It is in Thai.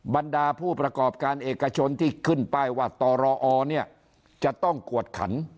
บรรดาผู้ประกอบการเอกชนที่ขึ้นป้ายว่าตรอเนี่ยจะต้องกวดขัน